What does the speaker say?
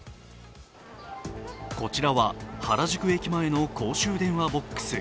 こちらは原宿駅前の公衆電話ボックス。